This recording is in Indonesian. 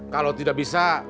kalau tidak bisa